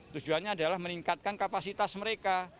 tujuannya adalah meningkatkan kapasitas mereka